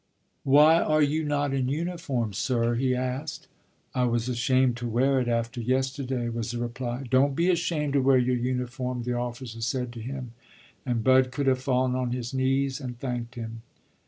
"Why are you not in uniform, sir?" he asked. "I was ashamed to wear it after yesterday," was the reply. "Don't be ashamed to wear your uniform," the officer said to him, and Bud could have fallen on his knees and thanked him.